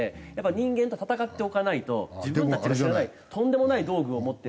人間と戦っておかないと自分たちが知らないとんでもない道具を持ってる。